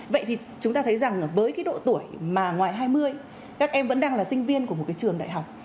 vậy thì chúng ta thấy rằng với cái độ tuổi mà ngoài hai mươi các em vẫn đang là sinh viên của một cái trường đại học